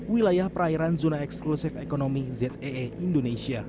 wilayah perairan zona eksklusif ekonomi zee indonesia